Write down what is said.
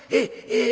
ええ。